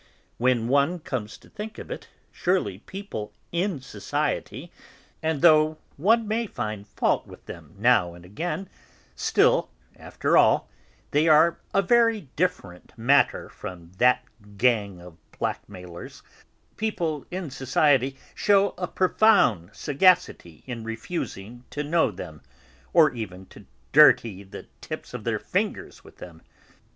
When one comes to think of it, surely people 'in society' (and, though one may find fault with them now and then, still, after all they are a very different matter from that gang of blackmailers) shew a profound sagacity in refusing to know them, or even to dirty the tips of their fingers with them.